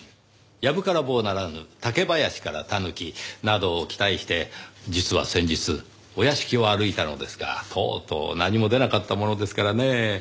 やぶから棒ならぬ竹林からタヌキなどを期待して実は先日お屋敷を歩いたのですがとうとう何も出なかったものですからねぇ。